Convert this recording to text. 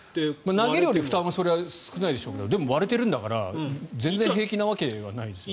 投げるより負担は少ないでしょうからでも、割れているんだから全然平気なわけないですよね。